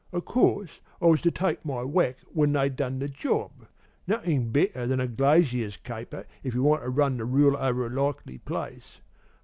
O' course, I was to take my whack when they'd done the job. Nothin' better than the glazier caper, if you want to run the rule over a likely place.